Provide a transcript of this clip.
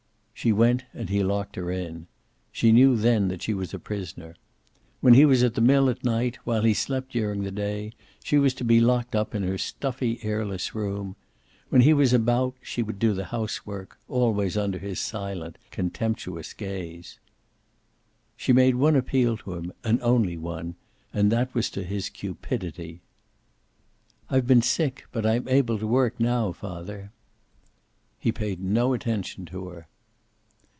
She went, and he locked her in. She knew then that she was a prisoner. When he was at the mill at night, while he slept during the day, she was to be locked up in her stuffy, airless room. When he was about she would do the housework, always under his silent, contemptuous gaze. She made one appeal to him, and only one, and that was to his cupidity. "I've been sick, but I'm able to work now, father." He paid no attention to her.